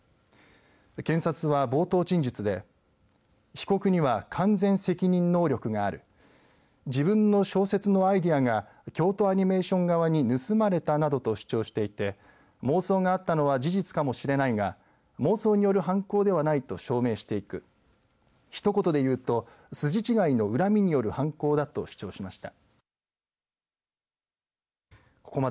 検察は冒頭陳述で被告には完全責任能力がある自分の小説のアイデアが京都アニメーション側に盗まれたなどと主張していて妄想があったのは事実かもしれないが妄想による犯行ではないと証明していく一言で言うと筋違いの恨みによる犯行だと主張しました。